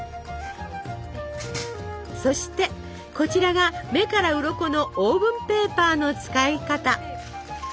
そしてこちらが目からうろこのオーブンペーパーの使い方。